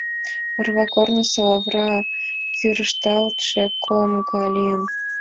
Орва корнысо лавыра кӱрышталтше ком гай лийын.